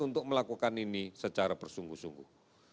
untuk melakukan ini secara bersungguh sungguh